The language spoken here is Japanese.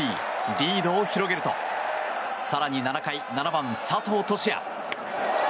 リードを広げると更に７回７番、佐藤都志也。